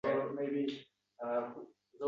Kommentga izohlar yozsangiz